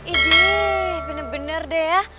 ijiih bener bener deh ya